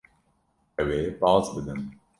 Ew ê baz bidin.